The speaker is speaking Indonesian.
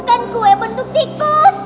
bukan kue bentuk tikus